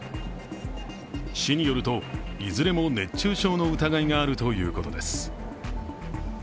市によると、いずれも熱中症の疑いがあるということです。